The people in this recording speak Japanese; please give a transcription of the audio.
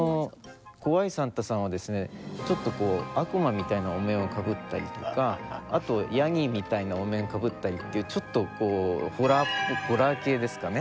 怖いサンタさんはですねちょっと悪魔みたいなお面をかぶったりとかあとヤギみたいなお面かぶったりっていうちょっとこうホラー系ですかね。